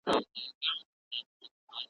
په شـــکل ډېر دي انسانان خو انسانیت نشته دی